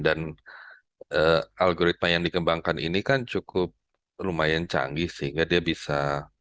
dan algoritma yang dikembangkan ini kan cukup lumayan canggih sehingga dia bisa